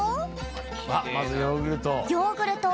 あっまずヨーグルト。